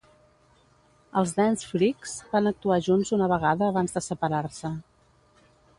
Els Dance Freaks van actuar junts una vegada abans de separar-se.